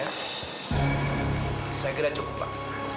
saya kira cukup pak